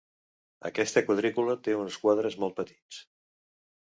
Aquesta quadrícula té uns quadres molt petits.